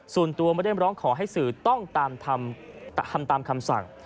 ส่วนตัวไม่ได้ร้องขอให้สื่อต้องทำตามคำสั่ง